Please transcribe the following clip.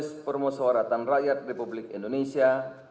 proses permusawaratan rakyat republik indonesia